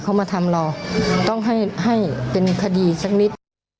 เขามาทำเราต้องให้เป็นคดีสักนิด